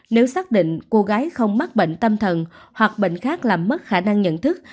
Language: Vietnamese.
nếu xác định cô gái không mắc bệnh tâm thần hoặc bệnh khác làm mất khả năng nhận thức